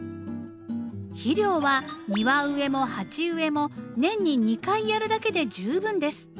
肥料は庭植えも鉢植えも年に２回やるだけで十分です。